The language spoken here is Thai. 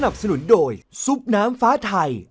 สนุนโดยซุปน้ำฟ้าไทย